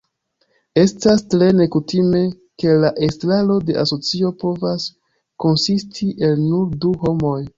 Estas tre nekutime, ke la estraro de asocio povas konsisti el nur du homoj.